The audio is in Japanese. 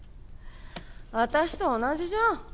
私と同じじゃん。